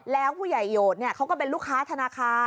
แล้วผู้ใหญ่โยชน์เนี่ยเขาก็เป็นลูกค้าธนาคาร